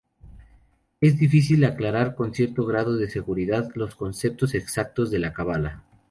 Es difícil aclarar con cierto grado de seguridad los conceptos exactos de la Cábala.